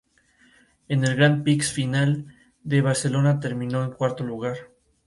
En el "Grand Prix Final" de Barcelona terminó en cuarto lugar.